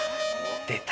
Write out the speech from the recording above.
出た。